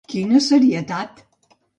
-Quina serietat!